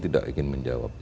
tidak ingin menjawab